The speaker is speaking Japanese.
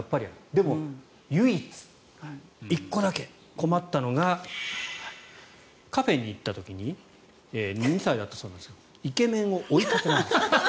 でも唯一、１個だけ困ったのが、カフェに行った時に２歳だったそうですがイケメンを追いかけ回した。